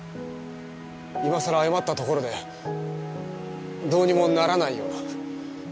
今さら謝ったところでどうにもならないよな。